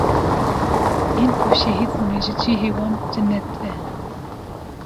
yên ku şehîd bûne jî cihê wan cinet be.